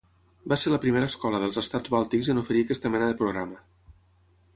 Va ser la primera escola dels estats bàltics en oferir aquesta mena de programa.